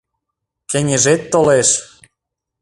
Кеҥежет толеш -